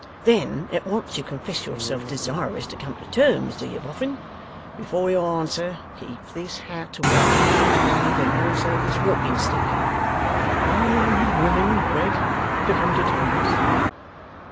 'Then at once you confess yourself desirous to come to terms, do you Boffin? Before you answer, keep this hat well in your mind and also this walking stick.' 'I am willing, Wegg, to come to terms.